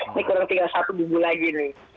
ini kurang tinggal satu minggu lagi nih